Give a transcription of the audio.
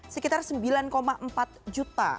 sekitar sembilan empat juta